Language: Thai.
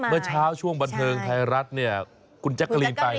เมื่อเช้าช่วงบันเทิงไทยรัฐเนี่ยคุณแจ๊กกะลีนไป